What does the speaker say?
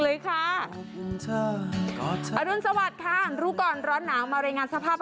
เลยค่ะอดู๑๙๖๙ลูกอ่อนร้อนหนาวมางานสภาพ